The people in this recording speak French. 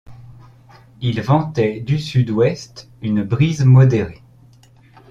Il ventait du sud-ouest une brise modérée.